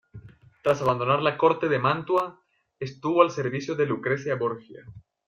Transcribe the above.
Tras abandonar la Corte de Mantua, estuvo al servicio de Lucrecia Borgia.